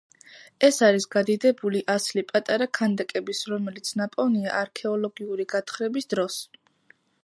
ეს არის გადიდებული ასლი პატარა ქანდაკების, რომელიც ნაპოვნია არქეოლოგიური გათხრების დროს.